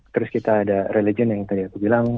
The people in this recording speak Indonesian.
terus kita ada religion yang tadi aku bilang